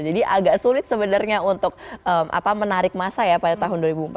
jadi agak sulit sebenarnya untuk menarik masa ya pada tahun dua ribu empat belas